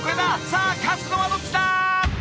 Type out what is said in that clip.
さあ勝つのはどっちだ！？